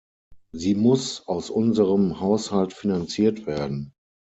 Sie muss aus unserem Haushalt finanziert werden.